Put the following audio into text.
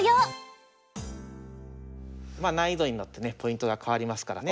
まあ難易度によってねポイントが変わりますからね。